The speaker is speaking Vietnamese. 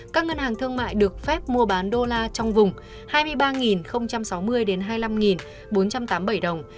các ngân hàng thương mại được phép mua bán đô la trong vùng hai mươi ba sáu mươi hai mươi năm bốn trăm tám mươi bảy đồng